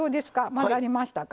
混ざりましたか。